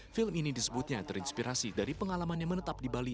film ini disebutnya terinspirasi dari pengalaman yang menetap di bali